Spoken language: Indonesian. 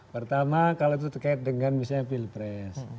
pertama kalau itu terkait dengan misalnya pilpres